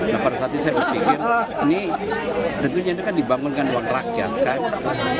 nah pada saat itu saya berpikir ini tentunya itu kan dibangunkan uang rakyat kan